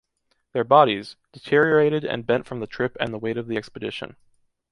Their bodies, deteriorated and bent from the trip and the weight of the expedition.